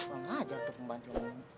orang aja tuh pembantu